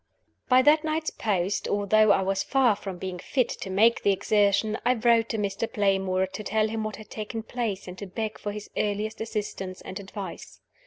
BY that night's post although I was far from being fit to make the exertion I wrote to Mr. Playmore, to tell him what had taken place, and to beg for his earliest assistance and advice.